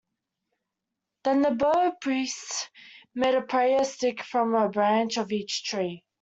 Then the bow priests made a prayer stick from a branch of each tree.